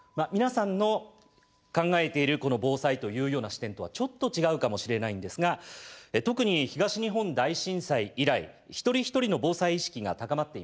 皆さんの考えているこの防災というような視点とはちょっと違うかもしれないんですが特に東日本大震災以来一人一人の防災意識が高まっています。